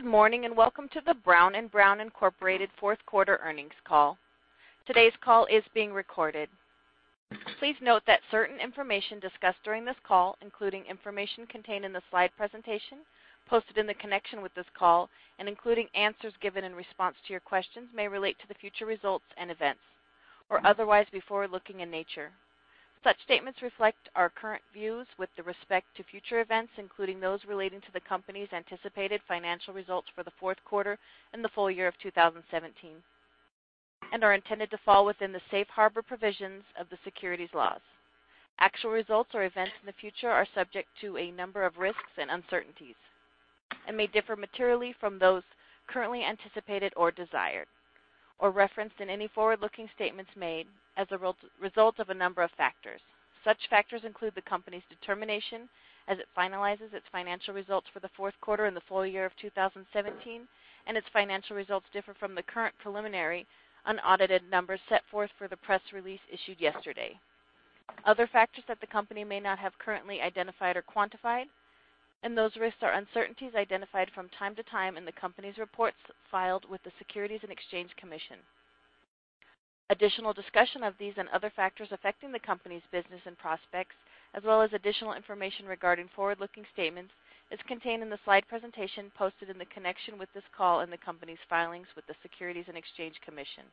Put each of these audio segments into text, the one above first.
Good morning, welcome to the Brown & Brown, Inc. fourth quarter earnings call. Today's call is being recorded. Please note that certain information discussed during this call, including information contained in the slide presentation posted in connection with this call and including answers given in response to your questions, may relate to future results and events or otherwise be forward-looking in nature. Such statements reflect our current views with respect to future events, including those relating to the company's anticipated financial results for the fourth quarter and the full year of 2017, and are intended to fall within the safe harbor provisions of the securities laws. Actual results or events in the future are subject to a number of risks and uncertainties and may differ materially from those currently anticipated or desired, or referenced in any forward-looking statements made as a result of a number of factors. Such factors include the company's determination as it finalizes its financial results for the fourth quarter and the full year of 2017, and its financial results differ from the current preliminary unaudited numbers set forth for the press release issued yesterday. Other factors that the company may not have currently identified or quantified, and those risks are uncertainties identified from time to time in the company's reports filed with the Securities and Exchange Commission. Additional discussion of these and other factors affecting the company's business and prospects, as well as additional information regarding forward-looking statements, is contained in the slide presentation posted in connection with this call in the company's filings with the Securities and Exchange Commission.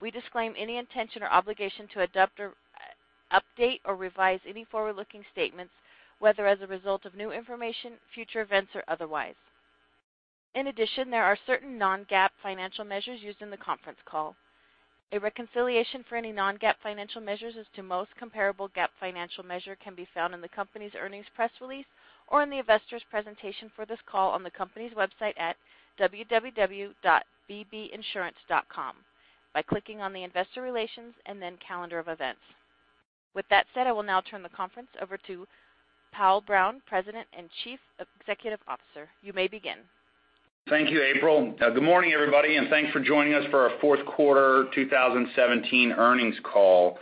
We disclaim any intention or obligation to update or revise any forward-looking statements, whether as a result of new information, future events, or otherwise. In addition, there are certain non-GAAP financial measures used in the conference call. A reconciliation for any non-GAAP financial measures as to the most comparable GAAP financial measure can be found in the company's earnings press release or in the investors presentation for this call on the company's website at www.bbrown.com by clicking on the investor relations and then calendar of events. With that said, I will now turn the conference over to J. Powell Brown, President and Chief Executive Officer. You may begin. Thank you, April. Good morning, everybody, and thanks for joining us for our fourth quarter 2017 earnings call.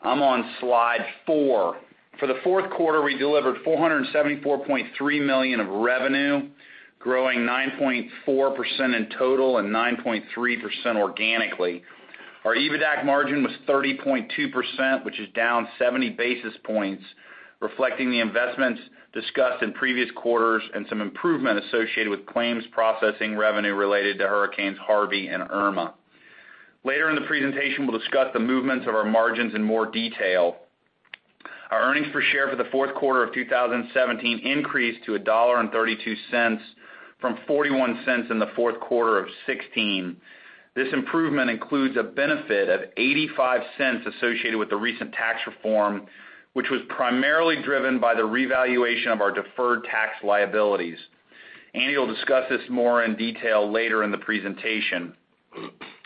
I'm on slide four. For the fourth quarter, we delivered $474.3 million of revenue, growing 9.4% in total and 9.3% organically. Our EBITAC margin was 30.2%, which is down 70 basis points, reflecting the investments discussed in previous quarters and some improvement associated with claims processing revenue related to Hurricane Harvey and Hurricane Irma. Later in the presentation, we'll discuss the movements of our margins in more detail. Our earnings per share for the fourth quarter of 2017 increased to $1.32 from $0.41 in the fourth quarter of 2016. This improvement includes a benefit of $0.85 associated with the recent tax reform, which was primarily driven by the revaluation of our deferred tax liabilities. R. Andrew Watts will discuss this more in detail later in the presentation.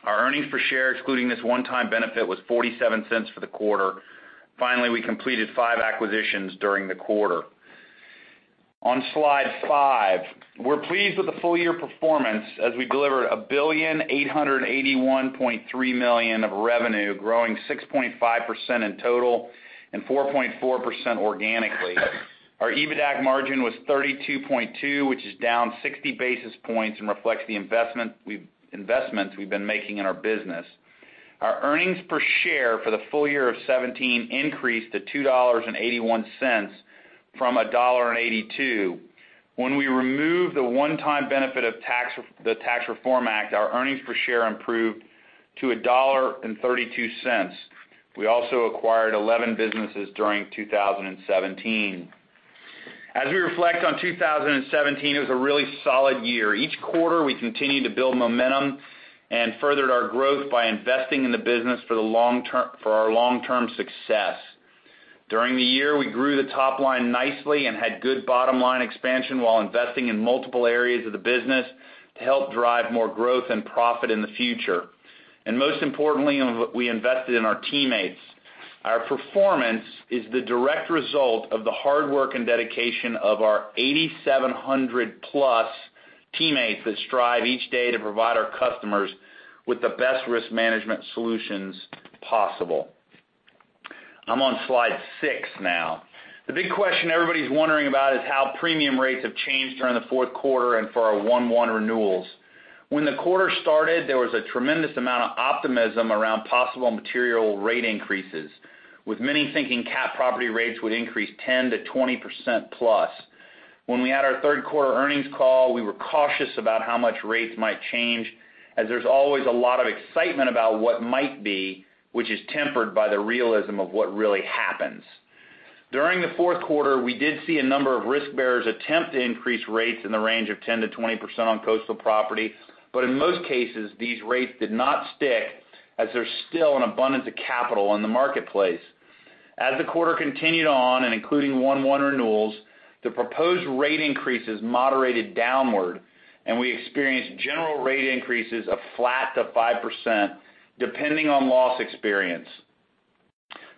Our earnings per share, excluding this one-time benefit, was $0.47 for the quarter. Finally, we completed five acquisitions during the quarter. On slide five. We're pleased with the full-year performance as we delivered $1,881.3 million of revenue, growing 6.5% in total and 4.4% organically. Our EBITAC margin was 32.2%, which is down 60 basis points and reflects the investments we've been making in our business. Our earnings per share for the full year of 2017 increased to $2.81 from $1.82. When we remove the one-time benefit of the Tax Reform Act, our earnings per share improved to $1.32. We also acquired 11 businesses during 2017. As we reflect on 2017, it was a really solid year. Each quarter, we continued to build momentum and furthered our growth by investing in the business for our long-term success. During the year, we grew the top line nicely and had good bottom-line expansion while investing in multiple areas of the business to help drive more growth and profit in the future. Most importantly, we invested in our teammates. Our performance is the direct result of the hard work and dedication of our 8,700-plus teammates that strive each day to provide our customers with the best risk management solutions possible. I'm on slide six now. The big question everybody's wondering about is how premium rates have changed during the fourth quarter and for our 1/1 renewals. When the quarter started, there was a tremendous amount of optimism around possible material rate increases, with many thinking cat property rates would increase 10%-20% plus. When we had our third-quarter earnings call, we were cautious about how much rates might change, as there's always a lot of excitement about what might be, which is tempered by the realism of what really happens. During the fourth quarter, we did see a number of risk-bearers attempt to increase rates in the range of 10%-20% on coastal property, but in most cases, these rates did not stick as there's still an abundance of capital in the marketplace. As the quarter continued on, and including 1/1 renewals, the proposed rate increases moderated downward, and we experienced general rate increases of flat to 5%, depending on loss experience.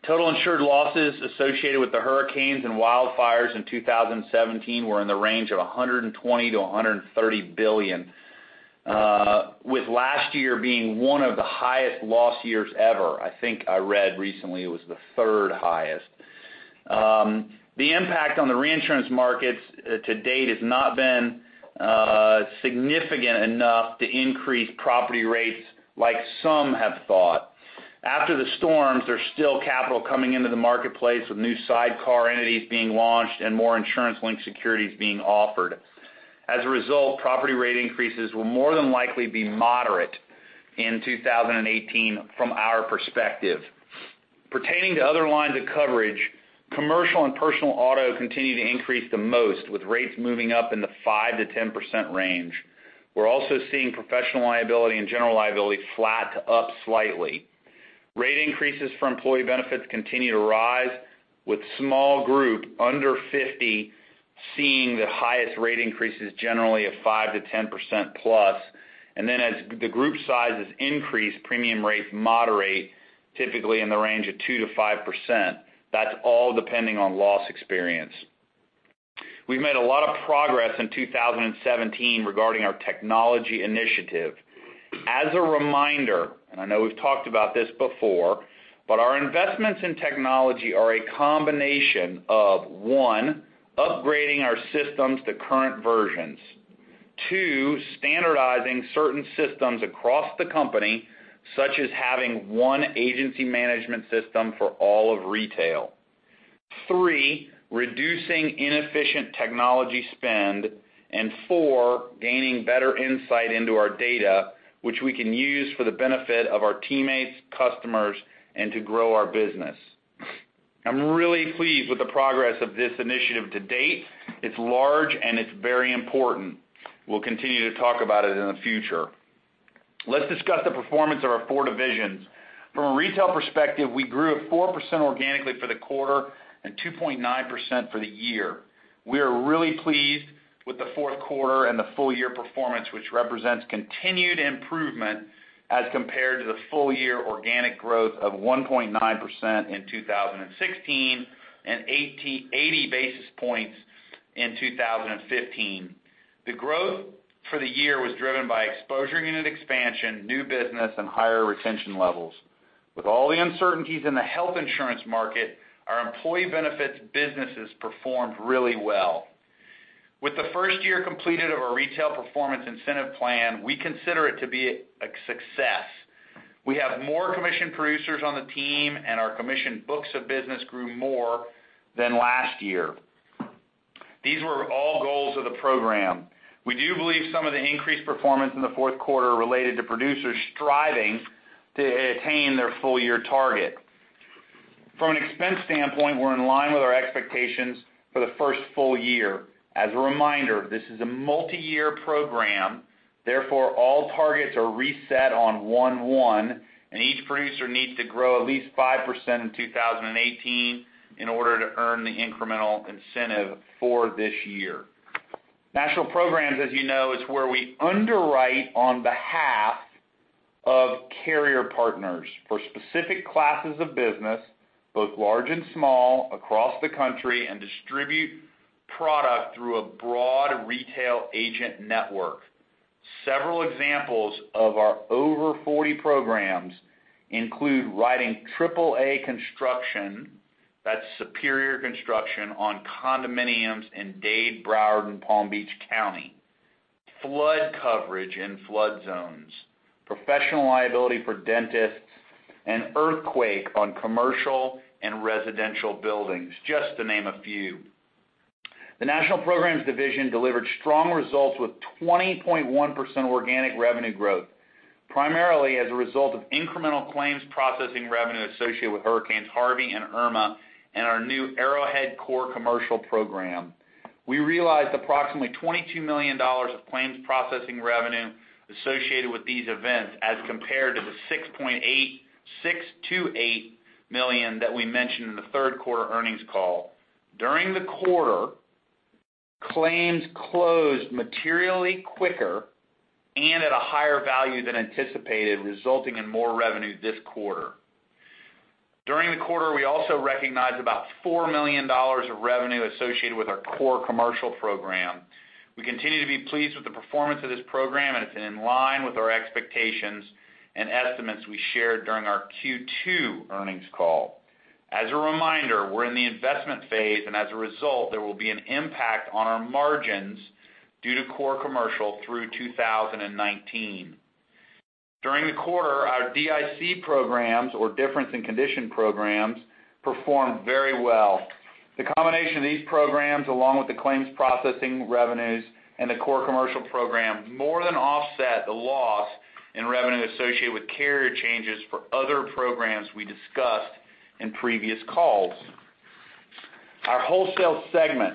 Total insured losses associated with the hurricanes and wildfires in 2017 were in the range of $120 billion-$130 billion. With last year being one of the highest loss years ever, I think I read recently it was the third highest. The impact on the reinsurance markets to date has not been significant enough to increase property rates like some have thought. After the storms, there's still capital coming into the marketplace with new sidecar entities being launched and more insurance-linked securities being offered. As a result, property rate increases will more than likely be moderate in 2018 from our perspective. Pertaining to other lines of coverage, commercial and personal auto continue to increase the most, with rates moving up in the 5%-10% range. We're also seeing professional liability and general liability flat to up slightly. Rate increases for employee benefits continue to rise, with small group, under 50, seeing the highest rate increases generally of 5%-10% plus. As the group sizes increase, premium rates moderate, typically in the range of 2%-5%. That's all depending on loss experience. We've made a lot of progress in 2017 regarding our technology initiative. As a reminder, and I know we've talked about this before, but our investments in technology are a combination of, 1, upgrading our systems to current versions. 2, standardizing certain systems across the company, such as having 1 agency management system for all of retail. 3, reducing inefficient technology spend. 4, gaining better insight into our data, which we can use for the benefit of our teammates, customers, and to grow our business. I'm really pleased with the progress of this initiative to date. It's large, and it's very important. We'll continue to talk about it in the future. Let's discuss the performance of our 4 divisions. From a retail perspective, we grew at 4% organically for the quarter and 2.9% for the year. We are really pleased with the fourth quarter and the full year performance, which represents continued improvement as compared to the full year organic growth of 1.9% in 2016 and 80 basis points in 2015. The growth for the year was driven by exposure unit expansion, new business, and higher retention levels. With all the uncertainties in the health insurance market, our employee benefits businesses performed really well. With the first year completed of our retail performance incentive plan, we consider it to be a success. We have more commissioned producers on the team, and our commissioned books of business grew more than last year. These were all goals of the program. We do believe some of the increased performance in the fourth quarter related to producers striving to attain their full year target. From an expense standpoint, we're in line with our expectations for the first full year. As a reminder, this is a multi-year program. Therefore, all targets are reset on 1/1, and each producer needs to grow at least 5% in 2018 in order to earn the incremental incentive for this year. National Programs, as you know, is where we underwrite on behalf of carrier partners for specific classes of business, both large and small across the country, and distribute product through a broad retail agent network. Several examples of our over 40 programs include writing AAA construction, that's superior construction, on condominiums in Dade, Broward, and Palm Beach County, flood coverage in flood zones, professional liability for dentists, and earthquake on commercial and residential buildings, just to name a few. The National Programs division delivered strong results with 20.1% organic revenue growth, primarily as a result of incremental claims processing revenue associated with Hurricane Harvey and Hurricane Irma and our new Arrowhead Core Commercial program. We realized approximately $22 million of claims processing revenue associated with these events as compared to the $6.8628 million that we mentioned in the third quarter earnings call. During the quarter, claims closed materially quicker and at a higher value than anticipated, resulting in more revenue this quarter. During the quarter, we also recognized about $4 million of revenue associated with our Core Commercial program. We continue to be pleased with the performance of this program, and it's in line with our expectations and estimates we shared during our Q2 earnings call. As a reminder, we're in the investment phase, and as a result, there will be an impact on our margins due to Core Commercial through 2019. During the quarter, our DIC programs, or difference in condition programs, performed very well. The combination of these programs, along with the claims processing revenues and the Core Commercial program, more than offset the loss in revenue associated with carrier changes for other programs we discussed in previous calls. Our Wholesale segment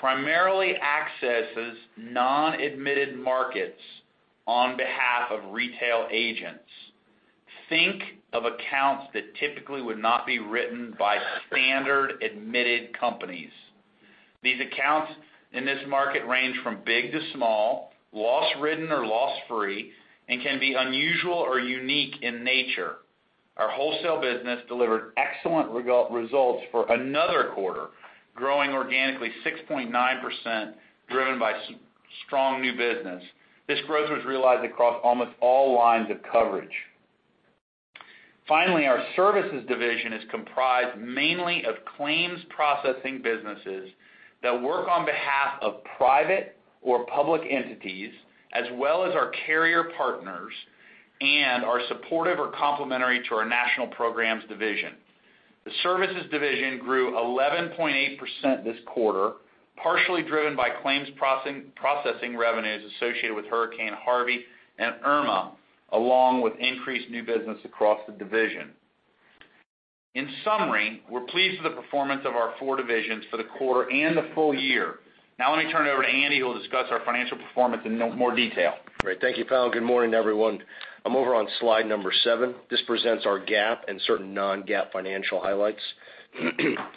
primarily accesses non-admitted markets on behalf of retail agents. Think of accounts that typically would not be written by standard admitted companies. These accounts in this market range from big to small, loss-ridden or loss-free, and can be unusual or unique in nature. Our wholesale business delivered excellent results for another quarter, growing organically 6.9%, driven by strong new business. This growth was realized across almost all lines of coverage. Finally, our Services division is comprised mainly of claims processing businesses that work on behalf of private or public entities, as well as our carrier partners, and are supportive or complementary to our national programs division. The Services division grew 11.8% this quarter, partially driven by claims processing revenues associated with Hurricane Harvey and Irma, along with increased new business across the division. In summary, we're pleased with the performance of our four divisions for the quarter and the full year. Now let me turn it over to Andy, who will discuss our financial performance in more detail. Great. Thank you, Powell. Good morning, everyone. I'm over on slide number seven. This presents our GAAP and certain non-GAAP financial highlights.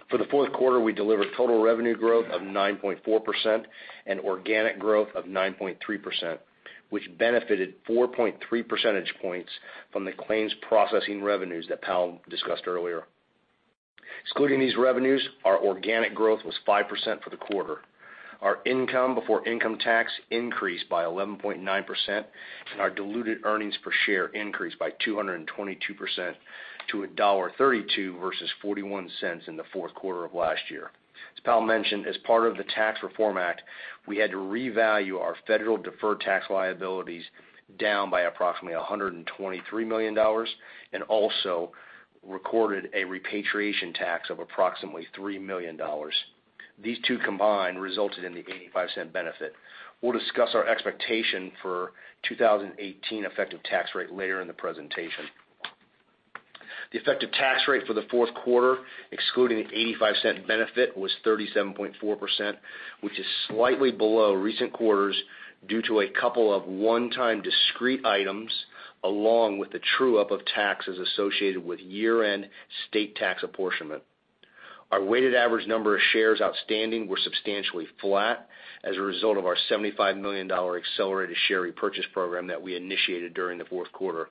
For the fourth quarter, we delivered total revenue growth of 9.4% and organic growth of 9.3%, which benefited 4.3 percentage points from the claims processing revenues that Powell discussed earlier. Excluding these revenues, our organic growth was 5% for the quarter. Our income before income tax increased by 11.9%. Our diluted earnings per share increased by 222% to $1.32 versus $0.41 in the fourth quarter of last year. As Powell mentioned, as part of the Tax Reform Act, we had to revalue our federal deferred tax liabilities down by approximately $123 million, also recorded a repatriation tax of approximately $3 million. These two combined resulted in the $0.85 benefit. We'll discuss our expectation for 2018 effective tax rate later in the presentation. The effective tax rate for the fourth quarter, excluding the $0.85 benefit, was 37.4%, which is slightly below recent quarters due to a couple of one-time discrete items, along with the true up of taxes associated with year-end state tax apportionment. Our weighted average number of shares outstanding were substantially flat as a result of our $75 million accelerated share repurchase program that we initiated during the fourth quarter.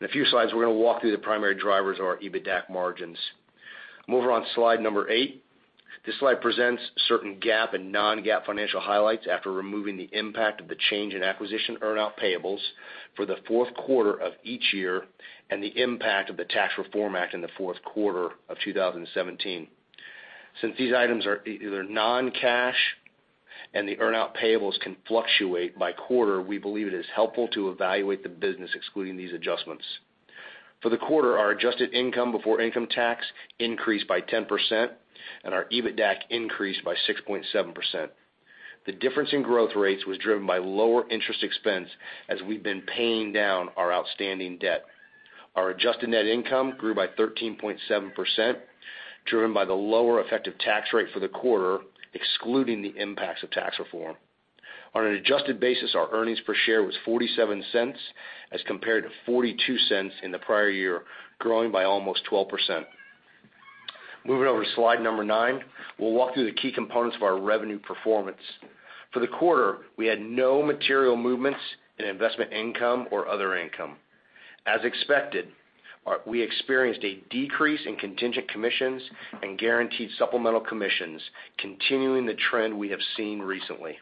In a few slides, we're going to walk through the primary drivers of our EBITDA margins. I'm over on slide number eight. This slide presents certain GAAP and non-GAAP financial highlights after removing the impact of the change in acquisition earn-out payables for the fourth quarter of each year and the impact of the Tax Reform Act in the fourth quarter of 2017. Since these items are either non-cash and the earn-out payables can fluctuate by quarter, we believe it is helpful to evaluate the business excluding these adjustments. For the quarter, our adjusted income before income tax increased by 10%, and our EBITDA increased by 6.7%. The difference in growth rates was driven by lower interest expense as we've been paying down our outstanding debt. Our adjusted net income grew by 13.7%, driven by the lower effective tax rate for the quarter, excluding the impacts of tax reform. On an adjusted basis, our earnings per share was $0.47 as compared to $0.42 in the prior year, growing by almost 12%. Moving over to slide number nine, we'll walk through the key components of our revenue performance. For the quarter, we had no material movements in investment income or other income. As expected, we experienced a decrease in contingent commissions and Guaranteed Supplemental Commissions, continuing the trend we have seen recently.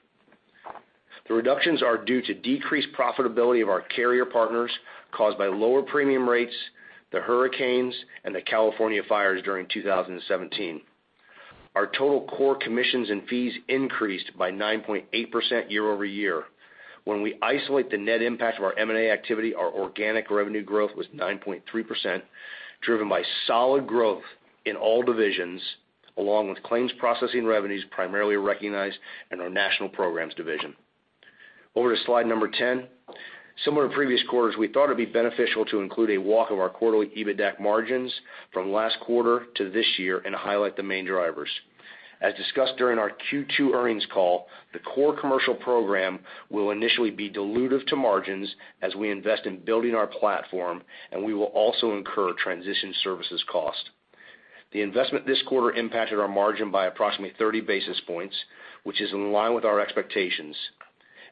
The reductions are due to decreased profitability of our carrier partners caused by lower premium rates, the hurricanes, and the California fires during 2017. Our total core commissions and fees increased by 9.8% year-over-year. When we isolate the net impact of our M&A activity, our organic revenue growth was 9.3%, driven by solid growth in all divisions, along with claims processing revenues primarily recognized in our National Programs division. Over to slide number 10. Similar to previous quarters, we thought it'd be beneficial to include a walk of our quarterly EBITDA margins from last quarter to this year and highlight the main drivers. As discussed during our Q2 earnings call, the Core Commercial program will initially be dilutive to margins as we invest in building our platform, and we will also incur transition services cost. The investment this quarter impacted our margin by approximately 30 basis points, which is in line with our expectations.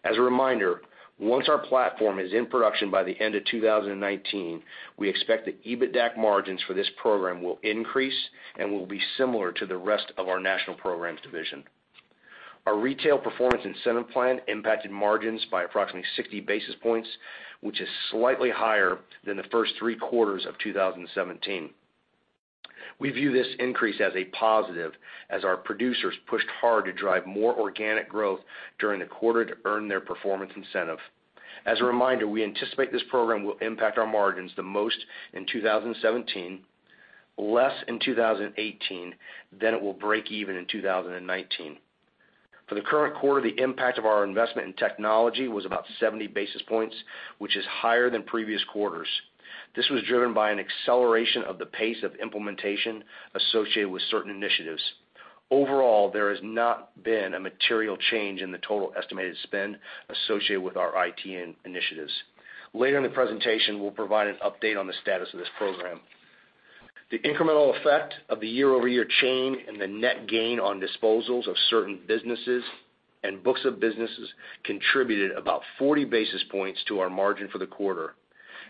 As a reminder, once our platform is in production by the end of 2019, we expect the EBITDA margins for this program will increase and will be similar to the rest of our National Programs division. Our retail performance incentive plan impacted margins by approximately 60 basis points, which is slightly higher than the first three quarters of 2017. We view this increase as a positive as our producers pushed hard to drive more organic growth during the quarter to earn their performance incentive. As a reminder, we anticipate this program will impact our margins the most in 2017, less in 2018. It will break even in 2019. For the current quarter, the impact of our investment in technology was about 70 basis points, which is higher than previous quarters. This was driven by an acceleration of the pace of implementation associated with certain initiatives. Overall, there has not been a material change in the total estimated spend associated with our IT initiatives. Later in the presentation, we'll provide an update on the status of this program. The incremental effect of the year-over-year change and the net gain on disposals of certain businesses and books of businesses contributed about 40 basis points to our margin for the quarter.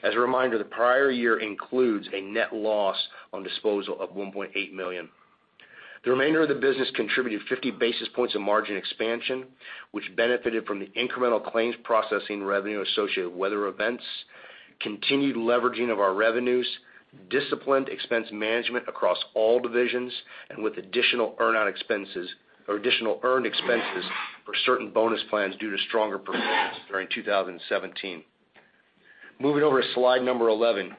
As a reminder, the prior year includes a net loss on disposal of $1.8 million. The remainder of the business contributed 50 basis points of margin expansion, which benefited from the incremental claims processing revenue associated with weather events, continued leveraging of our revenues, disciplined expense management across all divisions, and with additional earn-out expenses or additional earned expenses for certain bonus plans due to stronger performance during 2017. Moving over to slide number 11.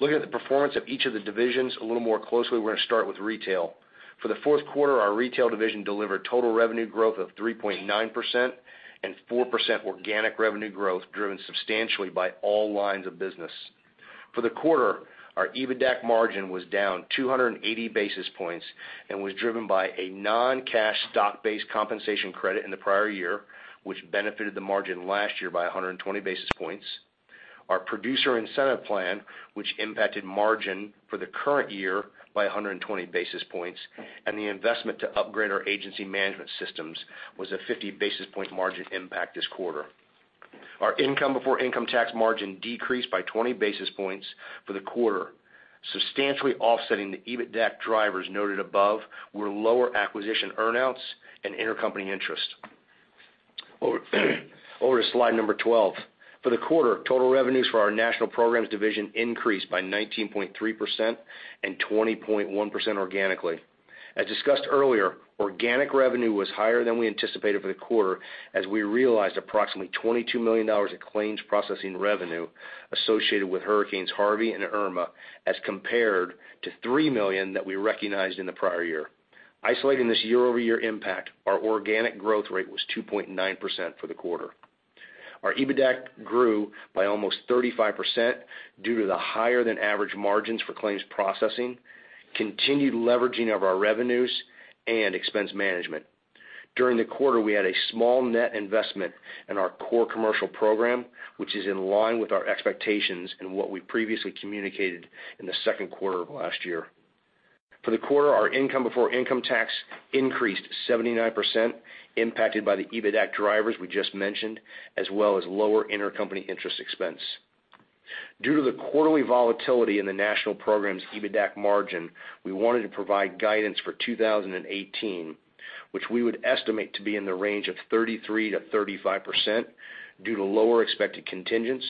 Looking at the performance of each of the divisions a little more closely, we are going to start with retail. For the fourth quarter, our retail division delivered total revenue growth of 3.9% and 4% organic revenue growth, driven substantially by all lines of business. For the quarter, our EBITDAC margin was down 280 basis points and was driven by a non-cash stock-based compensation credit in the prior year, which benefited the margin last year by 120 basis points. Our producer incentive plan, which impacted margin for the current year by 120 basis points, and the investment to upgrade our agency management systems, was a 50 basis point margin impact this quarter. Our income before income tax margin decreased by 20 basis points for the quarter. Substantially offsetting the EBITDAC drivers noted above were lower acquisition earn-outs and intercompany interest. Over to slide number 12. For the quarter, total revenues for our National Programs division increased by 19.3% and 20.1% organically. As discussed earlier, organic revenue was higher than we anticipated for the quarter, as we realized approximately $22 million of claims processing revenue associated with hurricanes Harvey and Irma, as compared to $3 million that we recognized in the prior year. Isolating this year-over-year impact, our organic growth rate was 2.9% for the quarter. Our EBITDAC grew by almost 35% due to the higher than average margins for claims processing, continued leveraging of our revenues, and expense management. During the quarter, we had a small net investment in our Core Commercial program, which is in line with our expectations and what we previously communicated in the second quarter of last year. For the quarter, our income before income tax increased 79%, impacted by the EBITDAC drivers we just mentioned, as well as lower intercompany interest expense. Due to the quarterly volatility in the National Programs' EBITDAC margin, we wanted to provide guidance for 2018, which we would estimate to be in the range of 33%-35% due to lower expected contingents,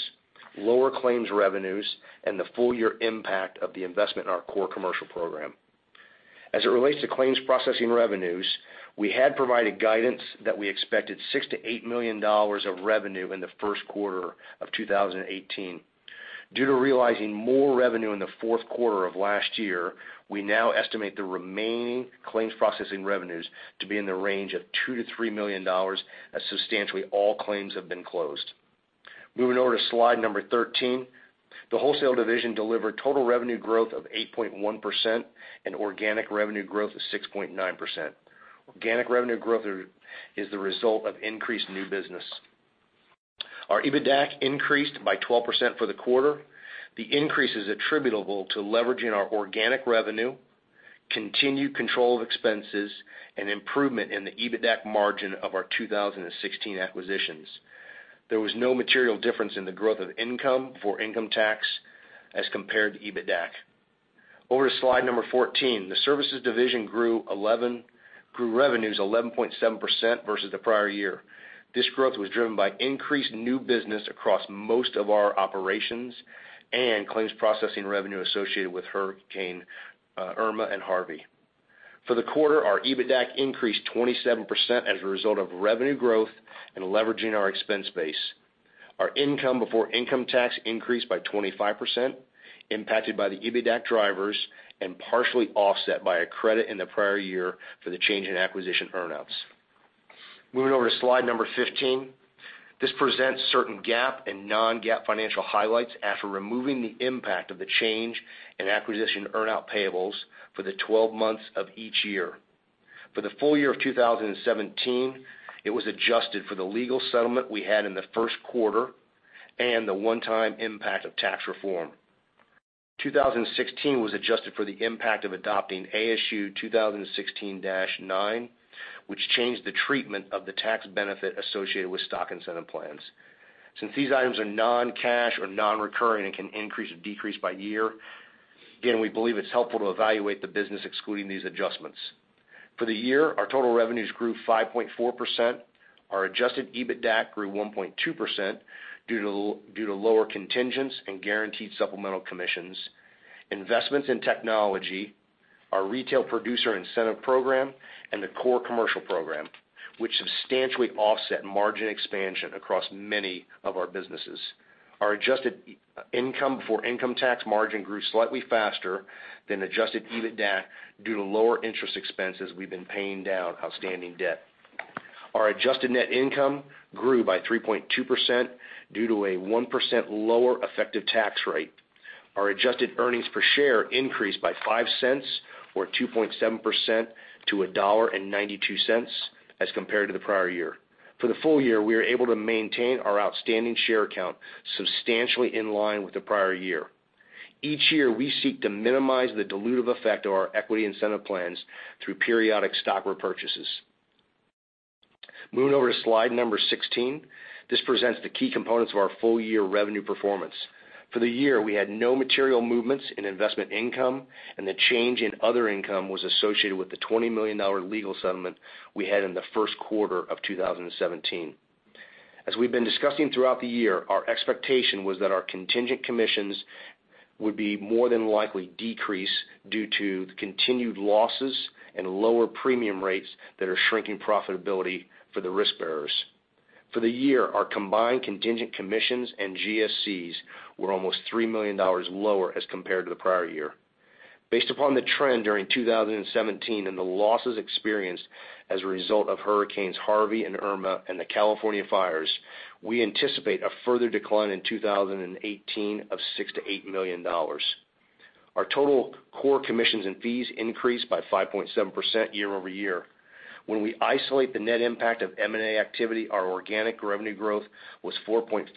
lower claims revenues, and the full year impact of the investment in our Core Commercial program. As it relates to claims processing revenues, we had provided guidance that we expected $6 million to $8 million of revenue in the first quarter of 2018. Due to realizing more revenue in the fourth quarter of last year, we now estimate the remaining claims processing revenues to be in the range of $2 million to $3 million, as substantially all claims have been closed. Moving over to slide number 13. The Wholesale division delivered total revenue growth of 8.1% and organic revenue growth of 6.9%. Organic revenue growth is the result of increased new business. Our EBITDAC increased by 12% for the quarter. The increase is attributable to leveraging our organic revenue, continued control of expenses, and improvement in the EBITDAC margin of our 2016 acquisitions. There was no material difference in the growth of income before income tax as compared to EBITDAC. Over to slide number 14. The services division grew revenues 11.7% versus the prior year. This growth was driven by increased new business across most of our operations and claims processing revenue associated with Hurricane Irma and Hurricane Harvey. For the quarter, our EBITDAC increased 27% as a result of revenue growth and leveraging our expense base. Our income before income tax increased by 25%, impacted by the EBITDAC drivers and partially offset by a credit in the prior year for the change in acquisition earn-outs. Moving over to slide number 15. This presents certain GAAP and non-GAAP financial highlights after removing the impact of the change in acquisition earn-out payables for the 12 months of each year. For the full year of 2017, it was adjusted for the legal settlement we had in the first quarter and the one-time impact of tax reform. 2016 was adjusted for the impact of adopting ASU 2016-09, which changed the treatment of the tax benefit associated with stock incentive plans. Since these items are non-cash or non-recurring and can increase or decrease by year, again, we believe it's helpful to evaluate the business excluding these adjustments. For the year, our total revenues grew 5.4%. Our adjusted EBITDAC grew 1.2% due to lower contingents and guaranteed supplemental commissions. Investments in technology, our retail producer incentive program, and the Core Commercial Program, which substantially offset margin expansion across many of our businesses. Our adjusted income for income tax margin grew slightly faster than adjusted EBITDAC due to lower interest expenses we've been paying down outstanding debt. Our adjusted net income grew by 3.2% due to a 1% lower effective tax rate. Our adjusted earnings per share increased by $0.05 or 2.7% to $1.92 as compared to the prior year. For the full year, we are able to maintain our outstanding share count substantially in line with the prior year. Each year, we seek to minimize the dilutive effect of our equity incentive plans through periodic stock repurchases. Moving over to slide number 16, this presents the key components of our full year revenue performance. For the year, we had no material movements in investment income, and the change in other income was associated with the $20 million legal settlement we had in the first quarter of 2017. As we've been discussing throughout the year, our expectation was that our contingent commissions would be more than likely decrease due to the continued losses and lower premium rates that are shrinking profitability for the risk bearers. For the year, our combined contingent commissions and GSCs were almost $3 million lower as compared to the prior year. Based upon the trend during 2017 and the losses experienced as a result of Hurricane Harvey and Hurricane Irma and the California fires, we anticipate a further decline in 2018 of $6 million-$8 million. Our total core commissions and fees increased by 5.7% year-over-year. When we isolate the net impact of M&A activity, our organic revenue growth was 4.4%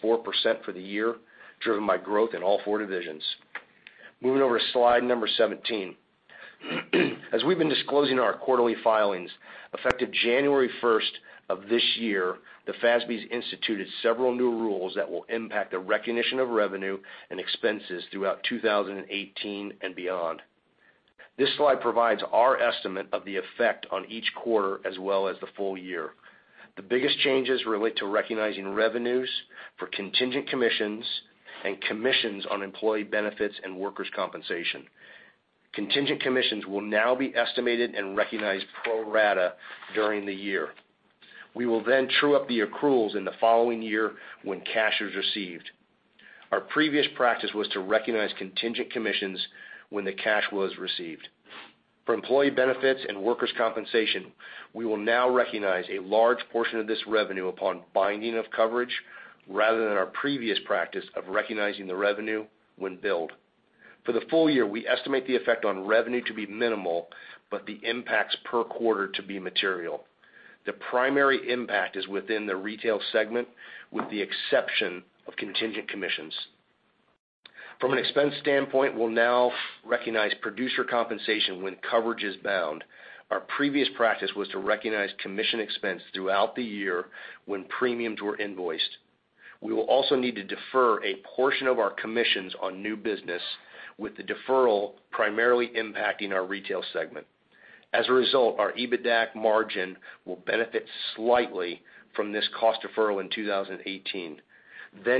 for the year, driven by growth in all four divisions. Moving over to slide number 17. As we've been disclosing our quarterly filings, effective January 1st of this year, the FASB instituted several new rules that will impact the recognition of revenue and expenses throughout 2018 and beyond. This slide provides our estimate of the effect on each quarter as well as the full year. The biggest changes relate to recognizing revenues for contingent commissions and commissions on employee benefits and workers' compensation. Contingent commissions will now be estimated and recognized pro rata during the year. We will then true up the accruals in the following year when cash is received. Our previous practice was to recognize contingent commissions when the cash was received. For employee benefits and workers' compensation, we will now recognize a large portion of this revenue upon binding of coverage rather than our previous practice of recognizing the revenue when billed. For the full year, we estimate the effect on revenue to be minimal, but the impacts per quarter to be material. The primary impact is within the retail segment, with the exception of contingent commissions. From an expense standpoint, we will now recognize producer compensation when coverage is bound. Our previous practice was to recognize commission expense throughout the year when premiums were invoiced. We will also need to defer a portion of our commissions on new business, with the deferral primarily impacting our retail segment. As a result, our EBITDA margin will benefit slightly from this cost deferral in 2018.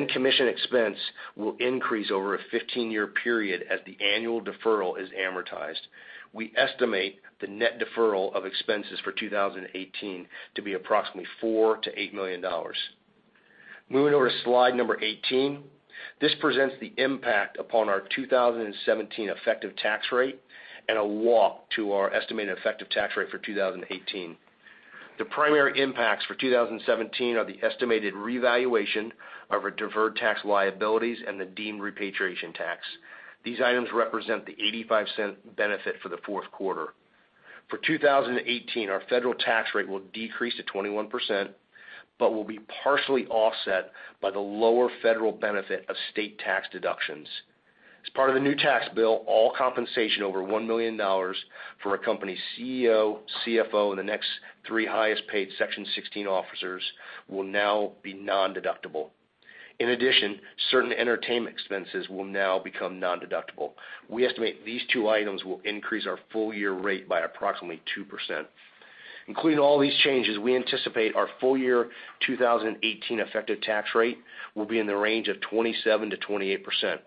Commission expense will increase over a 15-year period as the annual deferral is amortized. We estimate the net deferral of expenses for 2018 to be approximately $4 million to $8 million. Moving over to slide number 18, this presents the impact upon our 2017 effective tax rate and a walk to our estimated effective tax rate for 2018. The primary impacts for 2017 are the estimated revaluation of our deferred tax liabilities and the deemed repatriation tax. These items represent the $0.85 benefit for the fourth quarter. For 2018, our federal tax rate will decrease to 21%. Will be partially offset by the lower federal benefit of state tax deductions. As part of the new tax bill, all compensation over $1 million for a company CEO, CFO, and the next three highest paid Section 16 officers will now be nondeductible. In addition, certain entertainment expenses will now become nondeductible. We estimate these two items will increase our full year rate by approximately 2%. Including all these changes, we anticipate our full year 2018 effective tax rate will be in the range of 27%-28%.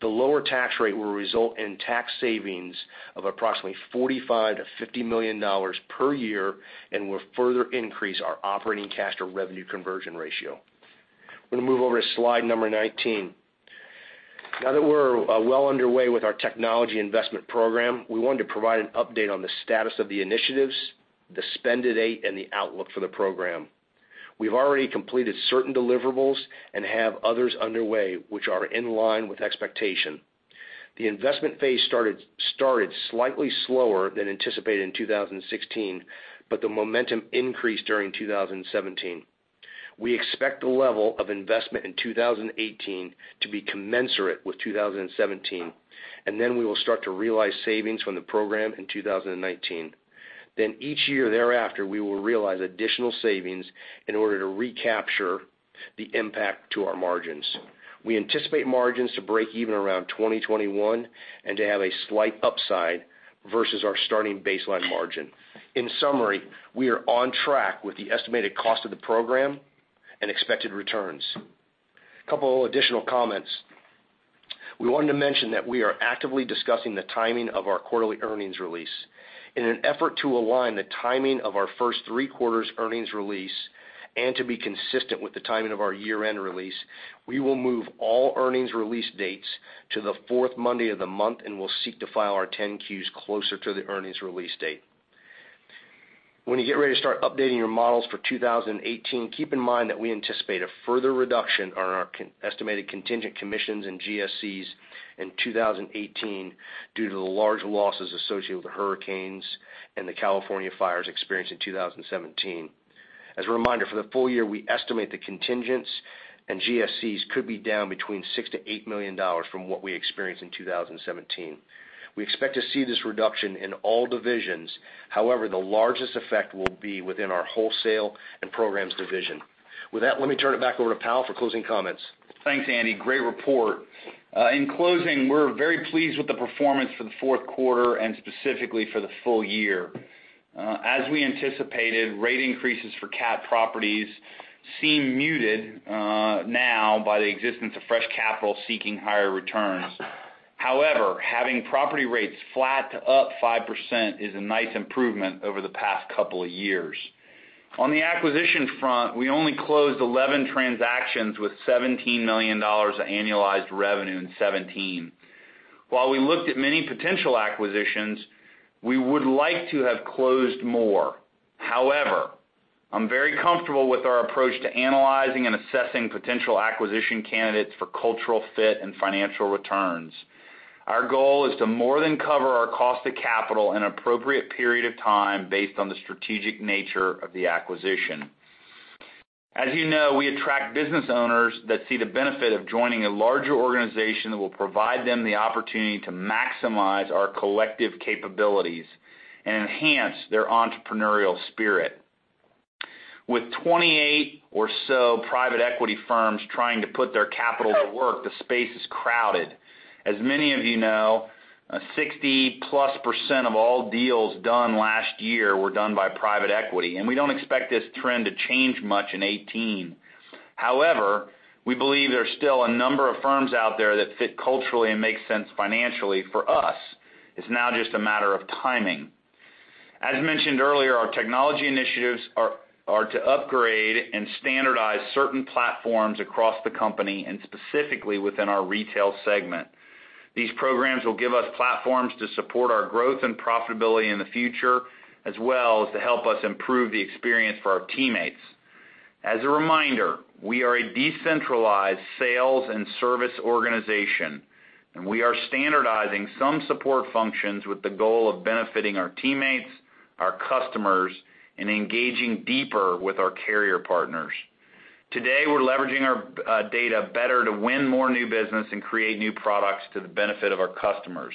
The lower tax rate will result in tax savings of approximately $45 million to $50 million per year. Will further increase our operating cash to revenue conversion ratio. We are going to move over to slide number 19. Now that we are well underway with our technology investment program, we wanted to provide an update on the status of the initiatives, the spend to date, and the outlook for the program. We have already completed certain deliverables and have others underway, which are in line with expectation. The investment phase started slightly slower than anticipated in 2016. The momentum increased during 2017. We expect the level of investment in 2018 to be commensurate with 2017. We will start to realize savings from the program in 2019. Each year thereafter, we will realize additional savings in order to recapture the impact to our margins. We anticipate margins to break even around 2021 and to have a slight upside versus our starting baseline margin. In summary, we are on track with the estimated cost of the program and expected returns. A couple additional comments. We wanted to mention that we are actively discussing the timing of our quarterly earnings release. In an effort to align the timing of our first three quarters earnings release and to be consistent with the timing of our year-end release, we will move all earnings release dates to the fourth Monday of the month and will seek to file our 10-Qs closer to the earnings release date. When you get ready to start updating your models for 2018, keep in mind that we anticipate a further reduction on our estimated contingent commissions and GSCs in 2018 due to the large losses associated with the hurricanes and the California fires experienced in 2017. As a reminder, for the full year, we estimate the contingents and GSCs could be down between $6 million-$8 million from what we experienced in 2017. We expect to see this reduction in all divisions. However, the largest effect will be within our Wholesale and Programs division. With that, let me turn it back over to Powell for closing comments. Thanks, Andy. Great report. In closing, we are very pleased with the performance for the fourth quarter and specifically for the full year. As we anticipated, rate increases for cat properties seem muted now by the existence of fresh capital seeking higher returns. However, having property rates flat to up 5% is a nice improvement over the past couple of years. On the acquisition front, we only closed 11 transactions with $17 million of annualized revenue in 2017. While we looked at many potential acquisitions, we would like to have closed more. However, I am very comfortable with our approach to analyzing and assessing potential acquisition candidates for cultural fit and financial returns. Our goal is to more than cover our cost of capital in an appropriate period of time based on the strategic nature of the acquisition. As you know, we attract business owners that see the benefit of joining a larger organization that will provide them the opportunity to maximize our collective capabilities and enhance their entrepreneurial spirit. With 28 or so private equity firms trying to put their capital to work, the space is crowded. As many of you know, 60-plus% of all deals done last year were done by private equity, and we do not expect this trend to change much in 2018. However, we believe there are still a number of firms out there that fit culturally and make sense financially for us. It is now just a matter of timing. As mentioned earlier, our technology initiatives are to upgrade and standardize certain platforms across the company, and specifically within our Retail segment. These programs will give us platforms to support our growth and profitability in the future, as well as to help us improve the experience for our teammates. As a reminder, we are a decentralized sales and service organization, and we are standardizing some support functions with the goal of benefiting our teammates, our customers, and engaging deeper with our carrier partners. Today, we're leveraging our data better to win more new business and create new products to the benefit of our customers.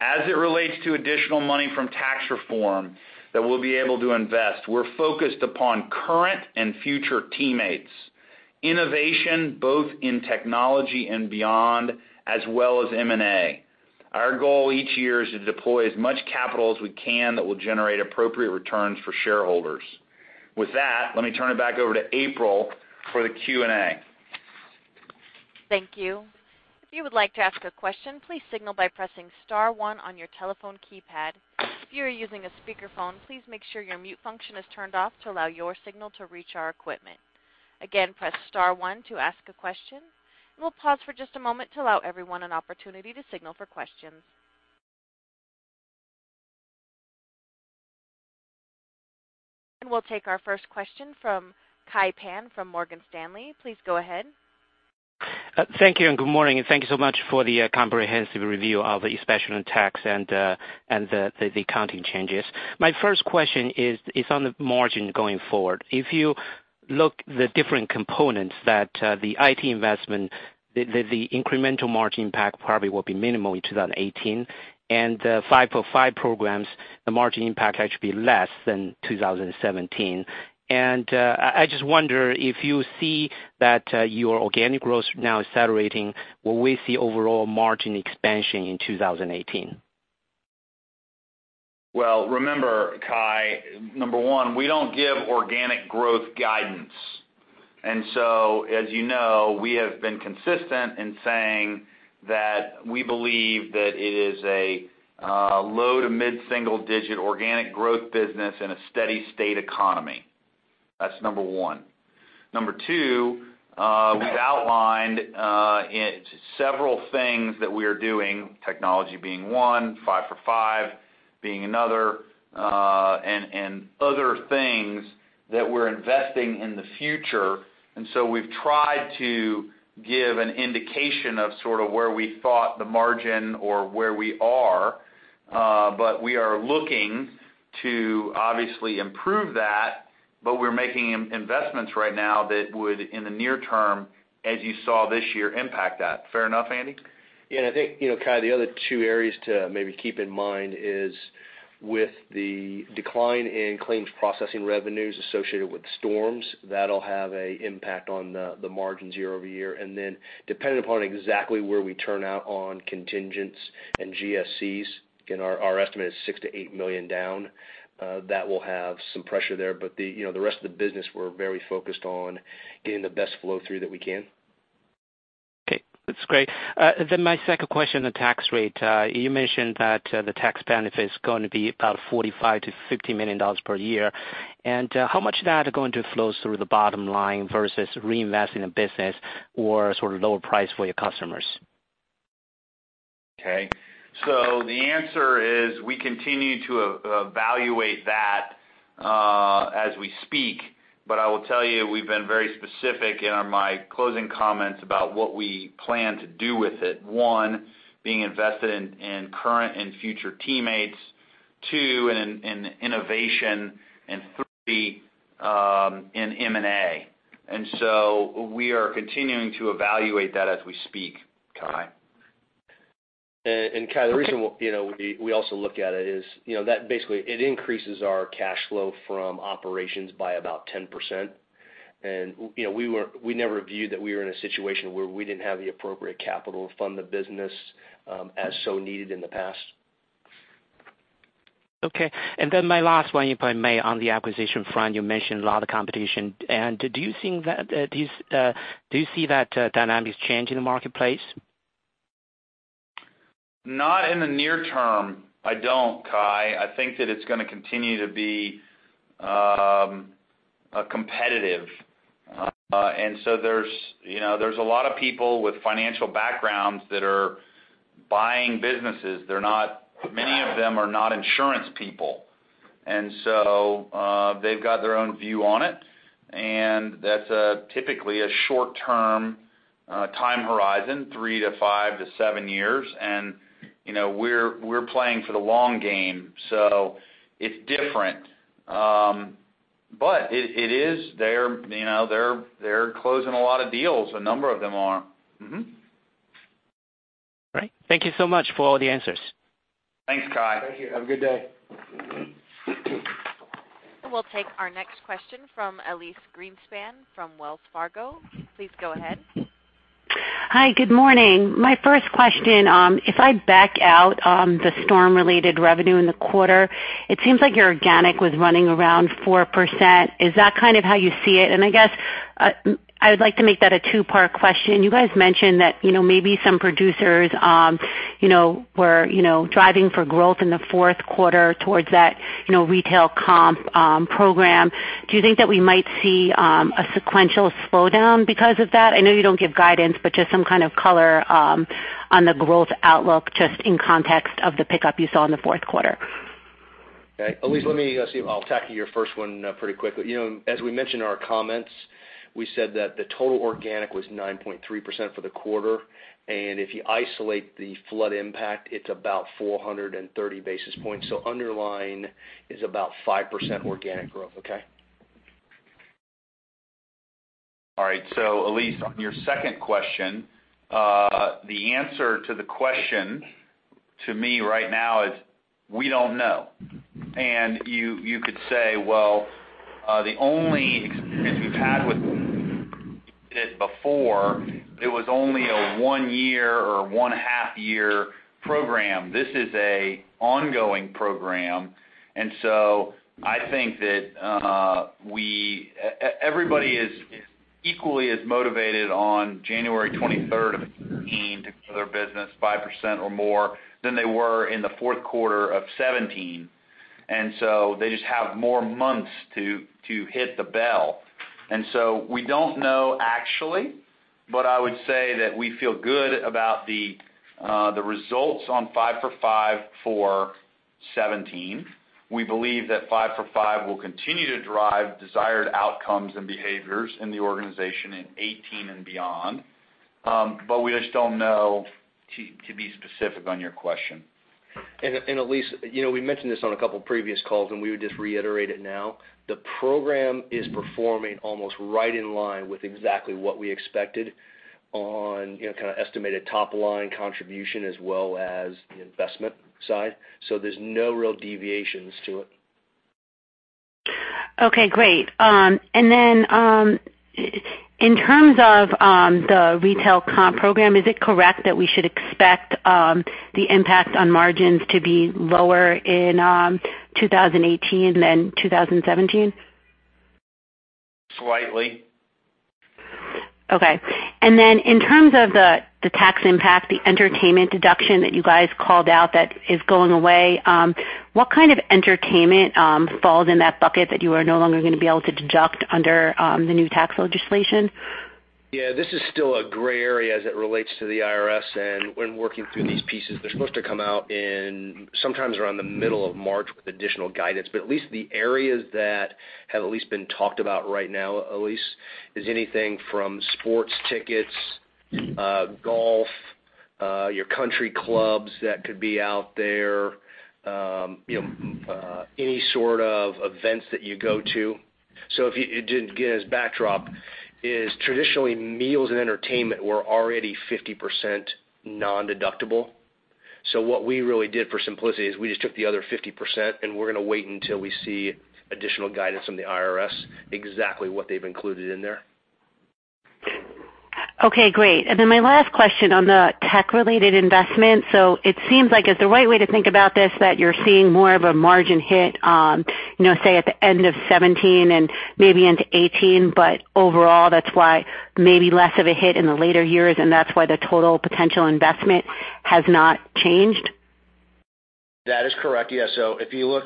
As it relates to additional money from tax reform that we'll be able to invest, we're focused upon current and future teammates, innovation, both in technology and beyond, as well as M&A. Our goal each year is to deploy as much capital as we can that will generate appropriate returns for shareholders. With that, let me turn it back over to April for the Q&A. Thank you. If you would like to ask a question, please signal by pressing star one on your telephone keypad. If you are using a speakerphone, please make sure your mute function is turned off to allow your signal to reach our equipment. Again, press star one to ask a question. We'll pause for just a moment to allow everyone an opportunity to signal for questions. We'll take our first question from Kai Pan from Morgan Stanley. Please go ahead. Thank you, good morning, and thank you so much for the comprehensive review of the special tax and the accounting changes. My first question is on the margin going forward. If you look the different components that the IT investment, the incremental margin impact probably will be minimal in 2018, the Five for Five programs, the margin impact actually be less than 2017. I just wonder if you see that your organic growth now is saturating. Will we see overall margin expansion in 2018? Well, remember, Kai, number one, we don't give organic growth guidance. As you know, we have been consistent in saying that we believe that it is a low to mid-single digit organic growth business in a steady state economy. That's number one. Number two, we've outlined several things that we are doing, technology being one, Five for Five being another, and other things that we're investing in the future. So we've tried to give an indication of sort of where we thought the margin or where we are. We are looking to obviously improve that, but we're making investments right now that would, in the near term, as you saw this year, impact that. Fair enough, Andy? I think, Kai, the other two areas to maybe keep in mind is with the decline in claims processing revenues associated with storms, that'll have an impact on the margins year-over-year. Depending upon exactly where we turn out on contingents and GSCs, again, our estimate is $6 million-$8 million down. That will have some pressure there. The rest of the business, we're very focused on getting the best flow through that we can. Okay. That's great. My second question, the tax rate. You mentioned that the tax benefit is going to be about $45 million-$50 million per year. How much of that are going to flow through the bottom line versus reinvest in the business or sort of lower price for your customers? Okay. The answer is we continue to evaluate that as we speak. I will tell you, we've been very specific in my closing comments about what we plan to do with it. One, being invested in current and future teammates. Two, in innovation. Three, in M&A. We are continuing to evaluate that as we speak, Kai. Kai, the reason we also look at it is that basically it increases our cash flow from operations by about 10%. We never viewed that we were in a situation where we didn't have the appropriate capital to fund the business, as so needed in the past. Okay. My last one, if I may, on the acquisition front, you mentioned a lot of competition. Do you see that dynamic is changing the marketplace? Not in the near term, I don't, Kai. I think that it's going to continue to be competitive. There's a lot of people with financial backgrounds that are buying businesses. Many of them are not insurance people. They've got their own view on it, and that's typically a short-term time horizon, three to five to seven years. We're playing for the long game. It's different. They're closing a lot of deals, a number of them are. All right. Thank you so much for all the answers. Thanks, Kai. Thank you. Have a good day. We'll take our next question from Elyse Greenspan from Wells Fargo. Please go ahead. Hi. Good morning. My first question, if I back out, the storm-related revenue in the quarter, it seems like your organic was running around 4%. Is that kind of how you see it? I guess, I would like to make that a two-part question. You guys mentioned that maybe some producers were driving for growth in the fourth quarter towards that retail comp program. Do you think that we might see a sequential slowdown because of that? I know you don't give guidance, just some kind of color on the growth outlook just in context of the pickup you saw in the fourth quarter. Okay. Elyse, let me see. I'll tackle your first one pretty quickly. As we mentioned in our comments, we said that the total organic was 9.3% for the quarter, if you isolate the flood impact, it's about 430 basis points. Underlying is about 5% organic growth, okay? All right. Elyse, on your second question, the answer to the question to me right now is we don't know. You could say, well, the only experience we've had with it before, it was only a one-year or one-half-year program. This is an ongoing program. I think that everybody is equally as motivated on January 23rd of 2018 to grow their business 5% or more than they were in the fourth quarter of 2017. They just have more months to hit the bell. We don't know actually, but I would say that we feel good about the results on Five for Five for 2017. We believe that Five for Five will continue to drive desired outcomes and behaviors in the organization in 2018 and beyond. We just don't know to be specific on your question. Elyse, we mentioned this on a couple of previous calls, and we would just reiterate it now. The program is performing almost right in line with exactly what we expected on kind of estimated top-line contribution as well as the investment side. There's no real deviations to it. Okay, great. In terms of the retail comp program, is it correct that we should expect the impact on margins to be lower in 2018 than 2017? Slightly. Okay. In terms of the tax impact, the entertainment deduction that you guys called out that is going away, what kind of entertainment falls in that bucket that you are no longer going to be able to deduct under the new tax legislation? Yeah. This is still a gray area as it relates to the IRS and when working through these pieces. They're supposed to come out in sometimes around the middle of March with additional guidance, but at least the areas that have at least been talked about right now, Elyse, is anything from sports tickets, golf, your country clubs that could be out there, any sort of events that you go to. To give us backdrop is traditionally meals and entertainment were already 50% non-deductible. What we really did for simplicity is we just took the other 50% and we're going to wait until we see additional guidance from the IRS, exactly what they've included in there. Okay, great. Then my last question on the tech-related investment. It seems like, is the right way to think about this, that you're seeing more of a margin hit on, say at the end of 2017 and maybe into 2018, but overall, that's why maybe less of a hit in the later years, and that's why the total potential investment has not changed? That is correct. Yeah. If you look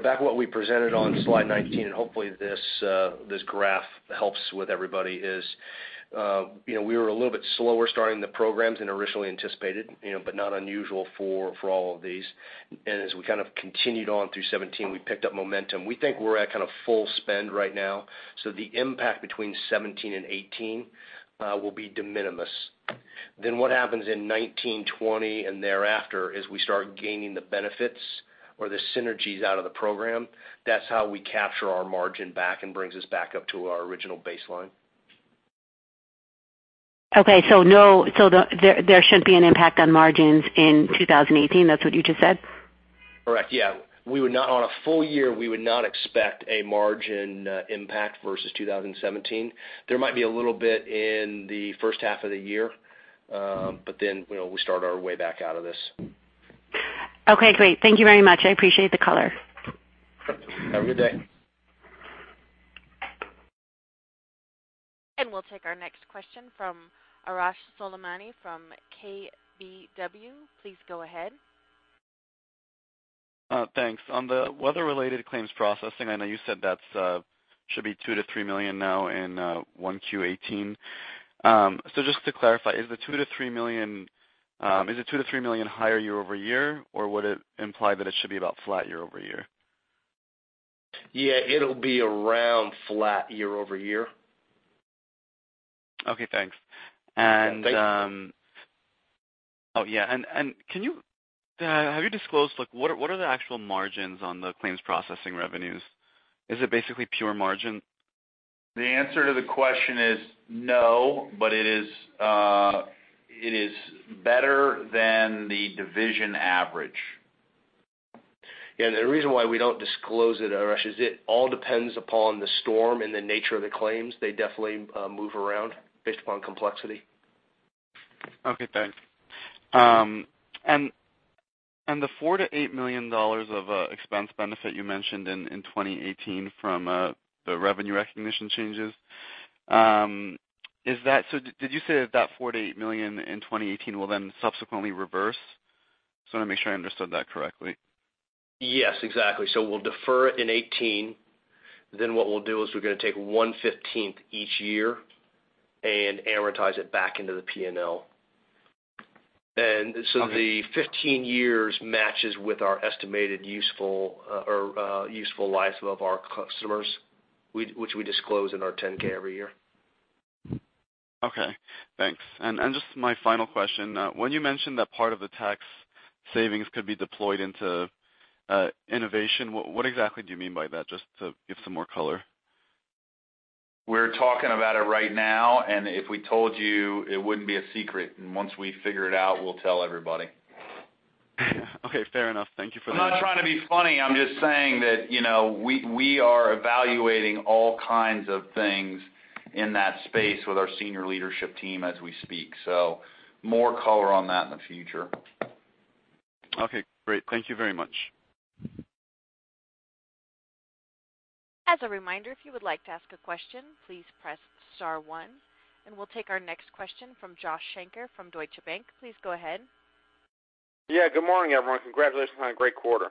back at what we presented on slide 19, and hopefully this graph helps with everybody is We were a little bit slower starting the programs than originally anticipated, but not unusual for all of these. As we kind of continued on through 2017, we picked up momentum. We think we're at kind of full spend right now. The impact between 2017 and 2018 will be de minimis. What happens in 2019, 2020, and thereafter is we start gaining the benefits or the synergies out of the program. That's how we capture our margin back and brings us back up to our original baseline. Okay. There shouldn't be an impact on margins in 2018. That's what you just said? Correct. Yeah. On a full year, we would not expect a margin impact versus 2017. There might be a little bit in the first half of the year. Then we start our way back out of this. Okay, great. Thank you very much. I appreciate the color. Have a good day. We'll take our next question from Arash Soleimani from KBW. Please go ahead. Thanks. On the weather-related claims processing, I know you said that should be $2 million to $3 million now in 1Q '18. Just to clarify, is the $2 million to $3 million higher year-over-year, or would it imply that it should be about flat year-over-year? Yeah, it'll be around flat year-over-year. Okay, thanks. Yeah. Thank you. Oh, yeah. Have you disclosed, what are the actual margins on the claims processing revenues? Is it basically pure margin? The answer to the question is no, but it is better than the division average. Yeah. The reason why we don't disclose it, Arash, is it all depends upon the storm and the nature of the claims. They definitely move around based upon complexity. Okay, thanks. The $4 million-$8 million of expense benefit you mentioned in 2018 from the revenue recognition changes, did you say that that $4 million-$8 million in 2018 will subsequently reverse? Just want to make sure I understood that correctly. Yes, exactly. We'll defer it in 2018. What we'll do is we're going to take 1/15 each year and amortize it back into the P&L. Okay. The 15 years matches with our estimated useful life of our customers, which we disclose in our 10-K every year. Okay, thanks. Just my final question, when you mentioned that part of the tax savings could be deployed into innovation, what exactly do you mean by that, just to give some more color? We're talking about it right now, if we told you, it wouldn't be a secret. Once we figure it out, we'll tell everybody. Okay, fair enough. Thank you for that. I'm not trying to be funny. I'm just saying that we are evaluating all kinds of things in that space with our senior leadership team as we speak. More color on that in the future. Okay, great. Thank you very much. As a reminder, if you would like to ask a question, please press star one. We'll take our next question from Joshua Shanker from Deutsche Bank. Please go ahead. Yeah. Good morning, everyone. Congratulations on a great quarter.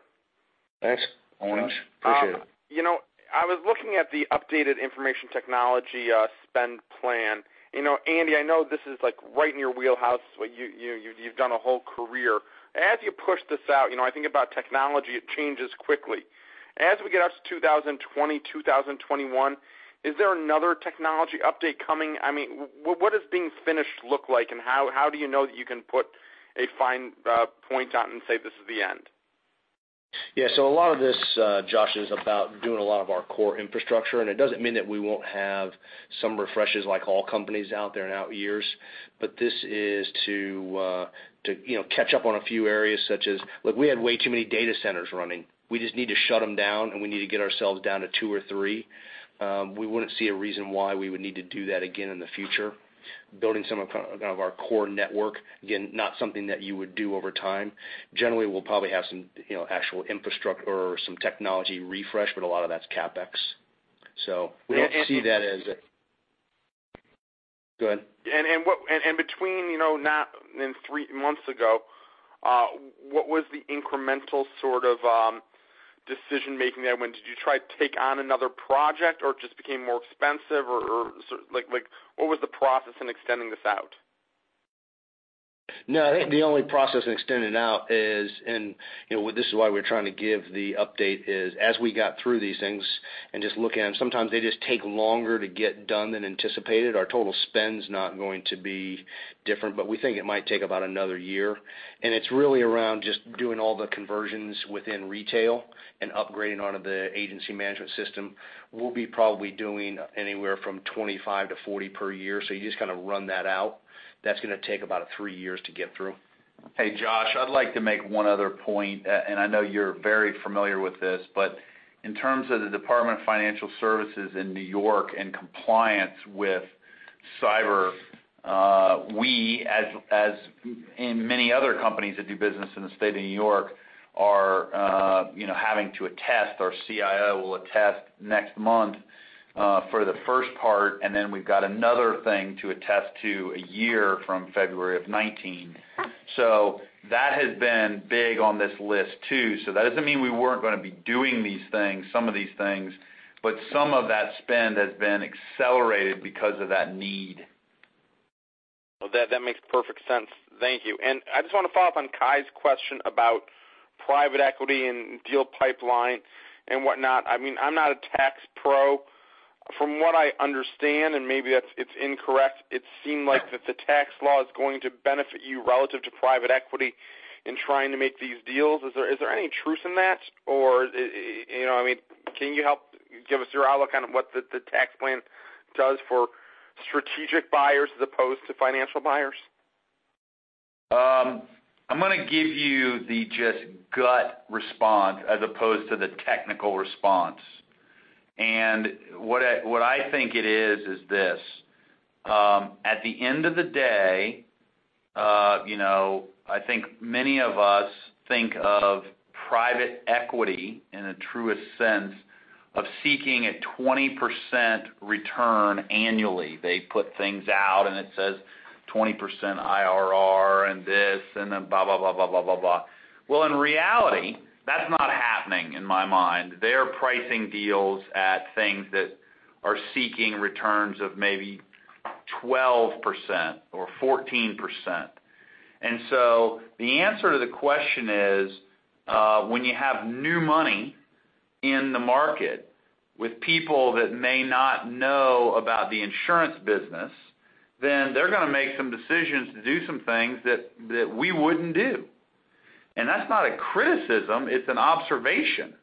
Thanks. Thanks. Appreciate it. I was looking at the updated information technology spend plan. Andy, I know this is right in your wheelhouse. You've done a whole career. As you push this out, I think about technology, it changes quickly. As we get out to 2020, 2021, is there another technology update coming? What does being finished look like, and how do you know that you can put a fine point out and say, "This is the end"? Yeah. A lot of this, Josh, is about doing a lot of our core infrastructure, and it doesn't mean that we won't have some refreshes like all companies out there in out years. This is to catch up on a few areas. Look, we had way too many data centers running. We just need to shut them down, and we need to get ourselves down to two or three. We wouldn't see a reason why we would need to do that again in the future. Building some of our core network, again, not something that you would do over time. Generally, we'll probably have some technology refresh, but a lot of that's CapEx. And- Go ahead. Between not three months ago, what was the incremental sort of decision-making there? Did you try to take on another project, or it just became more expensive? What was the process in extending this out? No, I think the only process in extending out is, this is why we're trying to give the update, is as we got through these things and just look at them, sometimes they just take longer to get done than anticipated. Our total spend's not going to be different, but we think it might take about another year, and it's really around just doing all the conversions within retail and upgrading onto the agency management system. We'll be probably doing anywhere from 25 to 40 per year. You just kind of run that out. That's going to take about three years to get through. Hey, Josh, I'd like to make one other point, and I know you're very familiar with this, but in terms of the New York State Department of Financial Services and compliance with cyber, we, as in many other companies that do business in the State of N.Y., are having to attest, our CIO will attest next month for the first part, and then we've got another thing to attest to a year from February of 2019. That has been big on this list, too. That doesn't mean we weren't going to be doing these things, some of these things, but some of that spend has been accelerated because of that need. That makes perfect sense. Thank you. I just want to follow up on Kai's question about private equity and deal pipeline and whatnot. I'm not a tax pro. From what I understand, and maybe it's incorrect, it seemed like that the tax law is going to benefit you relative to private equity in trying to make these deals. Is there any truth in that? Can you help give us your outlook on what the tax plan does for strategic buyers as opposed to financial buyers? I'm going to give you the just gut response as opposed to the technical response. What I think it is this. At the end of the day, I think many of us think of private equity in the truest sense of seeking a 20% return annually. They put things out, and it says 20% IRR, and this, and then blah, blah. Well, in reality, that's not happening in my mind. They're pricing deals at things that are seeking returns of maybe 12% or 14%. The answer to the question is, when you have new money in the market with people that may not know about the insurance business, then they're going to make some decisions to do some things that we wouldn't do. That's not a criticism, it's an observation.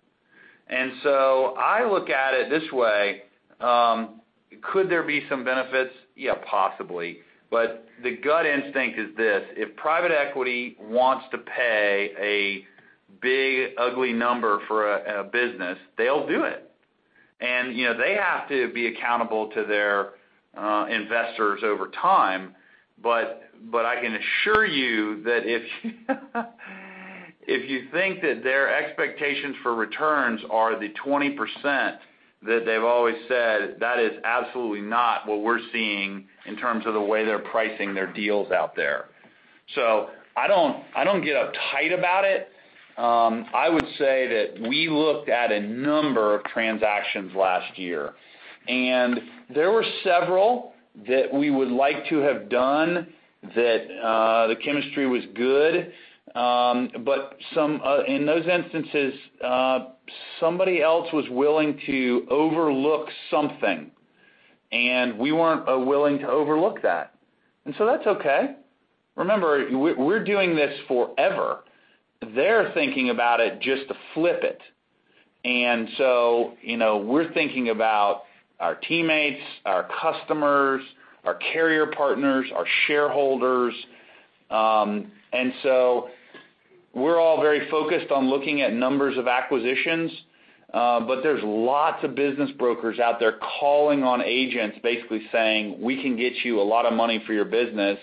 I look at it this way. Could there be some benefits? Yeah, possibly. The gut instinct is this: If private equity wants to pay a big, ugly number for a business, they'll do it. They have to be accountable to their investors over time. I can assure you that if you think that their expectations for returns are the 20% that they've always said, that is absolutely not what we're seeing in terms of the way they're pricing their deals out there. I don't get uptight about it. I would say that we looked at a number of transactions last year. There were several that we would like to have done that the chemistry was good. In those instances, somebody else was willing to overlook something, and we weren't willing to overlook that. That's okay. Remember, we're doing this forever. They're thinking about it just to flip it. We're thinking about our teammates, our customers, our carrier partners, our shareholders. We're all very focused on looking at numbers of acquisitions. There's lots of business brokers out there calling on agents, basically saying, "We can get you a lot of money for your business,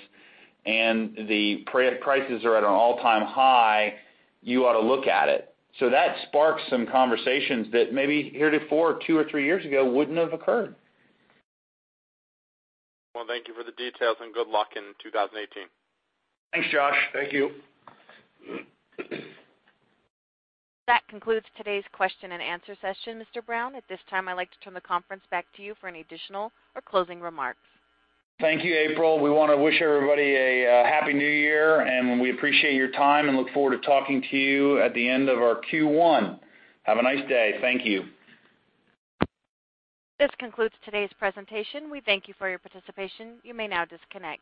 and the prices are at an all-time high. You ought to look at it." That sparks some conversations that maybe heretofore, two or three years ago, wouldn't have occurred. Well, thank you for the details, and good luck in 2018. Thanks, Josh. Thank you. That concludes today's question and answer session, Mr. Brown. At this time, I'd like to turn the conference back to you for any additional or closing remarks. Thank you, April. We want to wish everybody a happy New Year, and we appreciate your time and look forward to talking to you at the end of our Q1. Have a nice day. Thank you. This concludes today's presentation. We thank you for your participation. You may now disconnect.